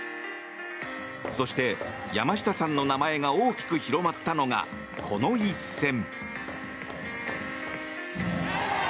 そして、山下さんの名前が大きく広まったのが、この一戦。